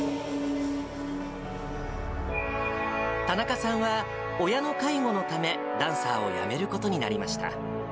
田中さんは親の介護のため、ダンサーをやめることになりました。